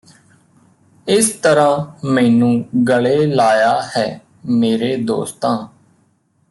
ਇਸ ਤਰ੍ਹਾਂ ਮੈਨੂੰ ਗਲੇ ਲਾਇਆ ਹੈ ਮੇਰੇ ਦੋਸਤਾਂ